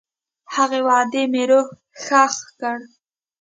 هغې وعدې مې روح ښخ کړ.